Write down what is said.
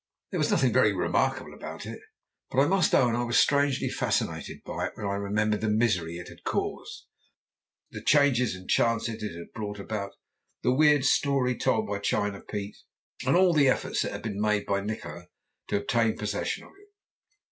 There was nothing very remarkable about it; but I must own I was strangely fascinated by it when I remembered the misery it had caused, the changes and chances it had brought about, the weird story told by China Pete, and the efforts that had been made by Nikola to obtain possession of it.